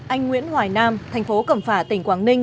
anh nguyễn hoài nam thành phố cẩm phả tỉnh quảng ninh